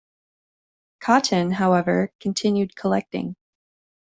Cotton, however, continued collecting.